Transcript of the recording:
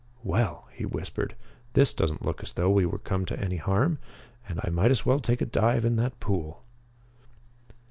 "Well," he whispered, "this doesn't look as though we would come to any harm. And I might as well take a dive in that pool."